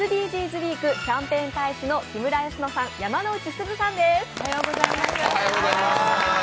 ウィークキャンペーン大使の木村佳乃さん、山之内すずさんです。